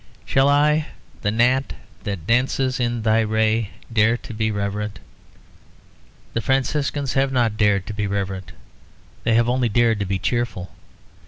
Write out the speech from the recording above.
"Shall I, the gnat that dances in Thy ray, dare to be reverent?" The Franciscans have not dared to be reverent; they have only dared to be cheerful.